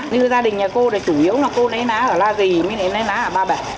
như gia đình nhà cô là chủ yếu là cô lấy lá ở la dì mới lấy lá ở ba bẻ